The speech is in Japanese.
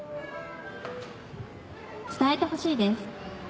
伝えてほしいです。